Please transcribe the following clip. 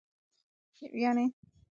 پاڼې تر اوسه خپل سر نه دی پورته کړی.